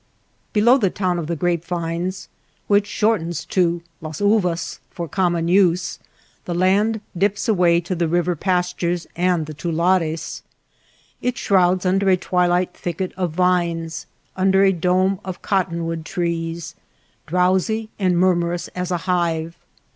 Below the Town of the Grape Vines, 265 THE LITTLE TOWN OF THE GRAPE VINES which shortens to Las Uvas for common use, the land dips away to the river pas tures and the tulares. It shrouds under a twilight thicket of vines, under a dome of cottonwood trees, drowsy and murmurous as a hive.